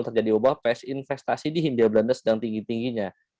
terjadi wabah pes investasi di hindia belanda sedang tinggi tingginya